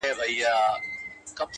نن شپه د ټول كور چوكيداره يمه-